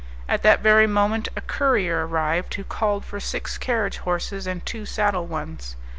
At that very moment a courier arrived, who called for six carriage horses and two saddle ones.